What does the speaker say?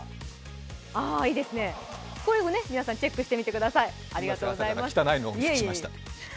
あいいですね、これも皆さん、チェックしてみてください。